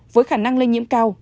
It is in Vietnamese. với khả năng lên nhiễm cao